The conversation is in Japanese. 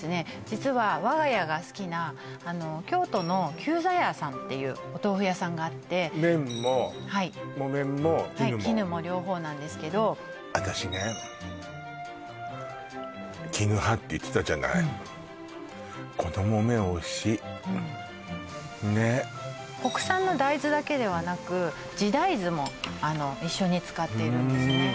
実は我が家が好きな京都の久在屋さんっていうお豆腐屋さんがあって木綿も絹も絹も両方なんですけど私ね絹派って言ってたじゃないこの木綿おいしいねっ国産の大豆だけではなく地大豆も一緒に使っているんですね